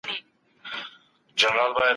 خدای په انسان کي خپل روح پوکلی دی.